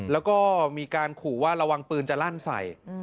แล้วก็มีการขู่ว่าระวังปืนจะลั่นใส่